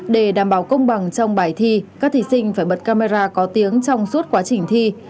để đảm bảo công bằng trong bài thi các thí sinh phải bật camera có tiếng trong suốt quá trình thi